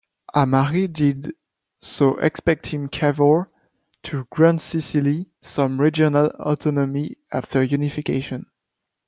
Amari did so expecting Cavour to grant Sicily some regional autonomy after unification.